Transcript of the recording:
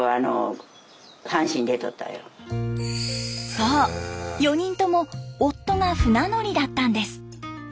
そう４人とも夫が船乗りだったんです。